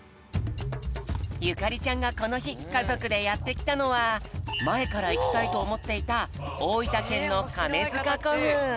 ゆかりちゃんがこのひかぞくでやってきたのはまえからいきたいとおもっていたおおいたけんのかめづかこふん。